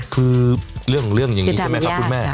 คือเรื่องอย่างนี้ใช่ไหมครับคุณแม่